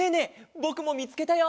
ぼくもみつけたよ！